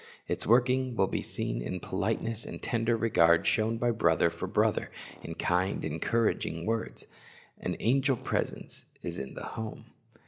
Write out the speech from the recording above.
Its working will be seen in politeness and tender regard shown by brother for brother, in kind, encouraging words. An angel presence is in the home.